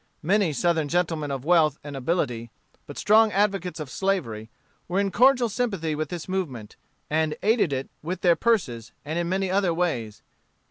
Many Southern gentlemen of wealth and ability, but strong advocates of slavery, were in cordial sympathy with this movement, and aided it with their purses, and in many other ways.